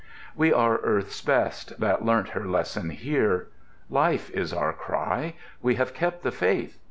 "We are Earth's best, that learnt her lesson here. Life is our cry. We have kept the faith!"